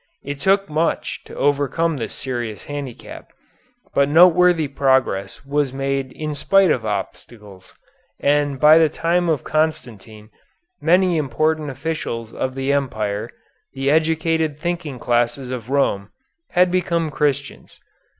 It took much to overcome this serious handicap, but noteworthy progress was made in spite of obstacles, and by the time of Constantine many important officials of the Empire, the educated thinking classes of Rome, had become Christians.